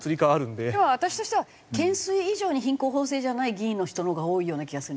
でも私としては懸垂以上に品行方正じゃない議員の人のほうが多いような気がするんですけど。